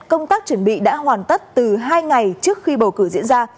các chuẩn bị đã hoàn tất từ hai ngày trước khi bầu cử diễn ra